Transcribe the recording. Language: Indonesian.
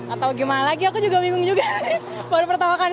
atau gimana lagi aku juga bingung juga